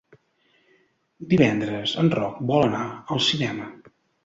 Divendres en Roc vol anar al cinema.